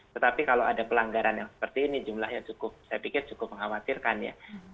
tetapi kalau ada pelanggaran yang seperti ini jumlahnya cukup saya pikir cukup mengkhawatirkan ya